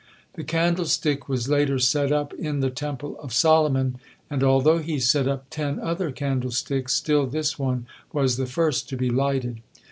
The candlestick was later set up in the Temple of Solomon, and although he set up ten other candlesticks, still this one was the first to be lighted.